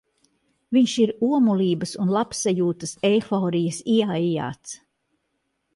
Viņš ir omulības un labsajūtas eiforijas ieaijāts.